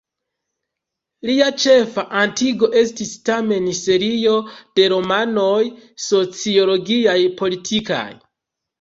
Lia ĉefa atingo estis tamen serio de romanoj sociologiaj-politikaj.